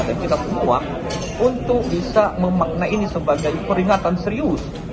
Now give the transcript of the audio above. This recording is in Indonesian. dan kita beruang untuk bisa memaknai ini sebagai peringatan serius